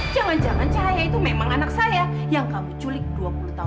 jangan jangan cahaya itu memang anak saya yang kamu culik dua puluh tahun